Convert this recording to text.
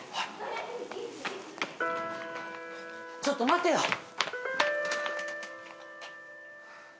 ちょっと待てよ。